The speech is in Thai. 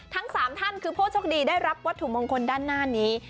ทั้ง๓ท่านคือผู้โชคดีได้รับวัตถุมงคลด้านหน้านี้